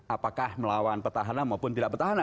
apakah melawan petahun petahun